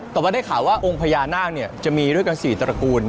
แต่ว่าได้ข่าวว่าองค์พญานาคจะมีด้วยกัน๔ตระกูล